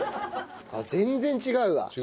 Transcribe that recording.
ああ全然違うわ。